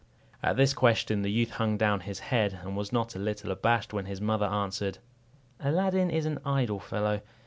At this question the youth hung down his head, and was not a little abashed when his mother answered "Aladdin is an idle fellow.